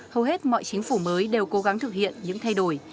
hầu hết mọi chính phủ mới đều cố gắng thực hiện những thay đổi